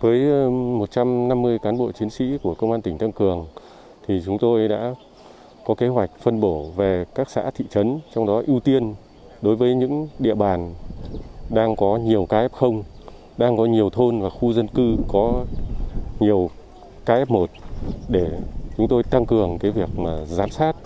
với một trăm năm mươi cán bộ chiến sĩ của công an tỉnh tăng cường chúng tôi đã có kế hoạch phân bổ về các xã thị trấn trong đó ưu tiên đối với những địa bàn đang có nhiều kf đang có nhiều thôn và khu dân cư có nhiều kf một để chúng tôi tăng cường việc giám sát